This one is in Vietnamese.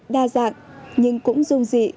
đa dạng nhưng cũng dung dị